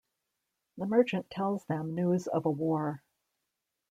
The merchant tells them news of a war.